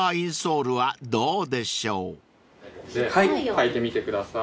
履いてみてください。